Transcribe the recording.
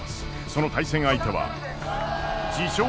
その対戦相手は自称